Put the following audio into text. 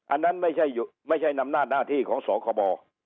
อันนั้นไม่ใช่นำหน้าที่ของสคบ